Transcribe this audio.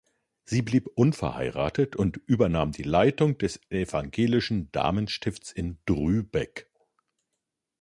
Sie blieb unverheiratet und übernahm die Leitung des evangelischen Damenstifts in Drübeck.